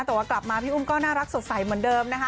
แต่ว่ากลับมาพี่อุ้มก็น่ารักสดใสเหมือนเดิมนะคะ